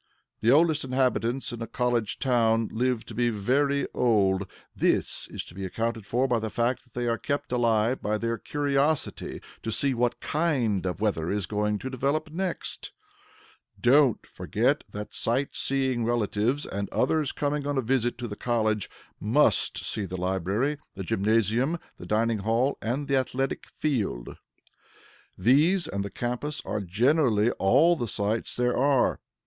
The oldest inhabitants in a College Town live to be very old; this is to be accounted for by the fact that they are kept alive by their curiosity to see what kind of weather is going to develop next. [Sidenote: THE COLLEGE SIGHTS] Don't forget that sight seeing relatives and others coming on a visit to the College, must see the Library, the Gymnasium, the Dining Hall, and the Athletic Field. These, and the Campus, are generally all the sights there are.